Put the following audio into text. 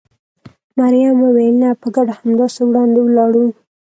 مريم وویل: نه، په ګډه همداسې وړاندې ولاړو.